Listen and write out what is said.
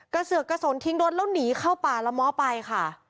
เสือกกระสนทิ้งรถแล้วหนีเข้าป่าละม้อไปค่ะ